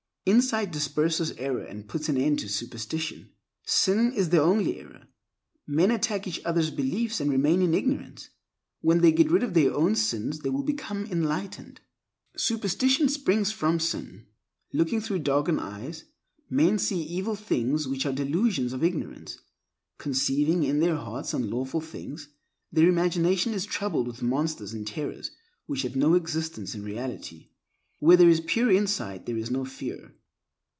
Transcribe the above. Insight disperses error and puts an end to superstition. Sin is the only error, Men attack each other's beliefs and remain in ignorance. When they get rid of their own sins they will become enlightened. Superstition springs from sin. Looking through darkened eyes, men see evil things which are delusions of ignorance; conceiving in their hearts unlawful things, their imagination is troubled with monsters and terrors which have no existence in reality. Where there is pure insight there is no fear.